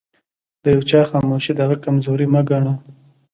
د يوچا خاموښي دهغه کمزوري مه ګنه